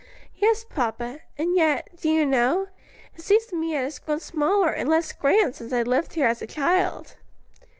"Yes, papa; and yet, do you know, it seems to me it has grown smaller and less grand since I lived here as a child."